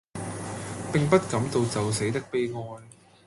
並不感到就死的悲哀。